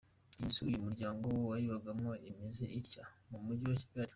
Iyi nzu uyu muryango wayibagamo imeze itya mu mujyi wa Kigali.